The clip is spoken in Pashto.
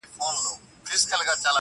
څوک چي ستا يو دين د زړه په درزېدا ورکوي~